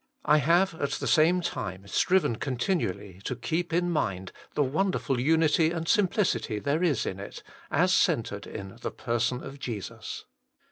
I have at the same time striven continually to keep in mind the wonderful unity and simplicity there is in it, as centred in the person of Jesus.